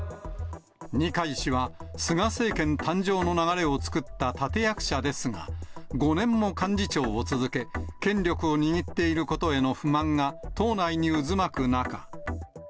二階氏は菅政権誕生の流れを作った立て役者ですが、５年も幹事長を続け、権力を握っていることへの不満が党内に渦巻く中。